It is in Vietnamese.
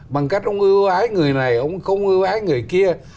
bằng cách ông yêu ái người này ông không ưu ái người kia